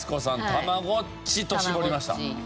たまごっちと絞りました。